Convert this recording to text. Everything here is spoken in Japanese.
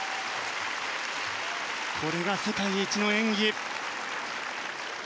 これが世界一の演技。